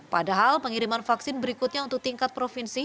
padahal pengiriman vaksin berikutnya untuk tingkat provinsi